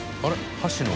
箸の。